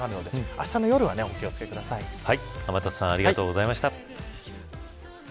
あしたの夜は天達さんありがとうございました。